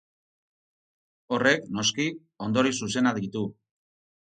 Horrek, noski, ondorio zuzenak ditu.